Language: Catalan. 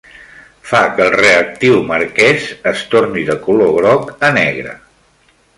Fa que el reactiu marquès es torni de color groc a negre.